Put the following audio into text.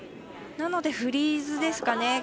なので、フリーズですかね。